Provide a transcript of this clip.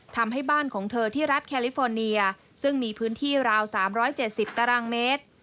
ทำให้บ้านของเธอที่รัฐแคลิฟอร์เนียซึ่งมีพื้นที่ราว๓๗๐ตารางเมตร